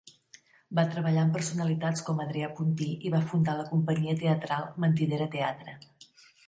Va treballar amb personalitats com Adrià Puntí i va fundar la companyia teatral Mentidera Teatre.